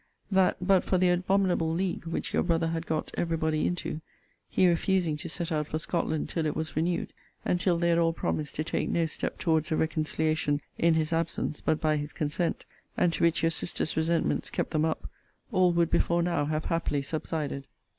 'That, but for the abominable league which your brother had got every body into (he refusing to set out for Scotland till it was renewed, and till they had all promised to take no step towards a reconciliation in his absence but by his consent; and to which your sister's resentments kept them up); all would before now have happily subsided.